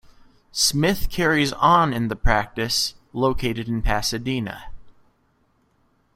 Smith carries on in the practice, located in Pasadena.